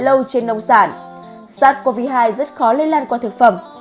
lâu trên nông sản sars cov hai rất khó lây lan qua thực phẩm